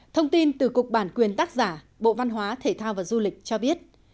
thông tin từ cục bản quyền tác giả bộ văn hóa thể thao và du lịch cho biết